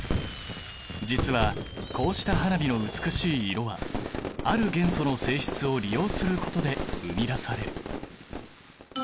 実はこうした花火の美しい色はある元素の性質を利用することで生み出される。